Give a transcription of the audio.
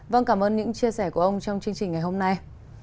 vâng cảm ơn những chia sẻ của ông trong chương trình ngày hôm nay